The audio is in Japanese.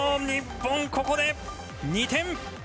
日本、ここで２点！